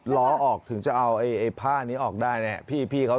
ล้อออกถึงจะเอาผ้านี้ออกได้นี่